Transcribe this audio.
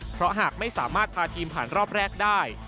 เพราะหากไม่สามารถพาทีมผ่านรอบแรกได้